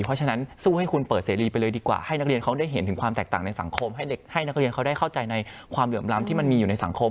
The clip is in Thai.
เพราะฉะนั้นสู้ให้คุณเปิดเสรีไปเลยดีกว่าให้นักเรียนเขาได้เห็นถึงความแตกต่างในสังคมให้นักเรียนเขาได้เข้าใจในความเหลื่อมล้ำที่มันมีอยู่ในสังคม